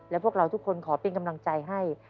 และพวกเราทุกคนขอเป็นกำลังใจให้